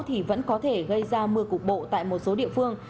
thì vẫn có thể gây ra mưa cục bộ tại một số địa phương